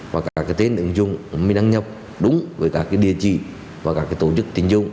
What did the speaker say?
và cả cái tên tình dung mình đăng nhập đúng với cả cái địa chỉ và cả cái tổ chức tình dung